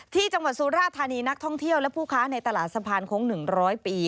ที่จังหวัดสุราธานีนักท่องเที่ยวและผู้ค้าในตลาดสะพานโค้ง๑๐๐ปี